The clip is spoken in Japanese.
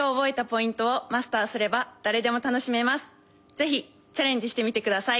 ぜひチャレンジしてみてください。